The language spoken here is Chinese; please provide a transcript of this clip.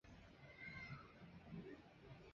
中华拟锯齿蛤为贻贝科拟锯齿蛤属的动物。